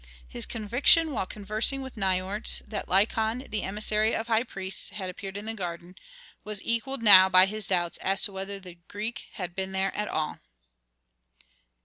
His conviction while conversing with Nikotris, that Lykon, the emissary of high priests, had appeared in the garden, was equalled now by his doubts as to whether the Greek had been there at all.